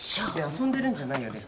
遊んでるんじゃないよね？